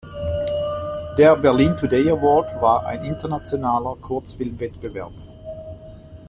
Der Berlin Today Award war ein internationaler Kurzfilmwettbewerb.